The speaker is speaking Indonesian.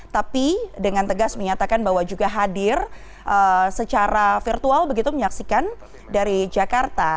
tapi dengan tegas menyatakan bahwa juga hadir secara virtual begitu menyaksikan dari jakarta